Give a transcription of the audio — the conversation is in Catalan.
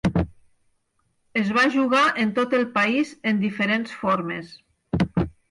Es va jugar en tot el país en diferents formes.